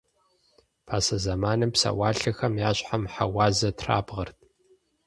Пасэ зэманым псэуалъэхэм я щхьэм хьэуазэ трабгъэрт.